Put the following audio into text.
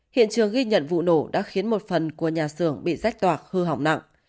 hiện trường ghi nhận vụ nổ đã khiến một phần của nhà xưởng bị rách toạc hư hỏng nặng